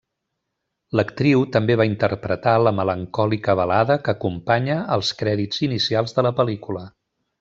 L'actriu també va interpretar la melancòlica balada que acompanya els crèdits inicials de la pel·lícula.